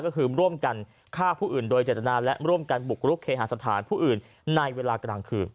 ก็คือร่วมกันฆ่าผู้อื่นโดยเจตนาและร่วมกันบุกรุกเคหาสถานผู้อื่นในเวลากลางคืน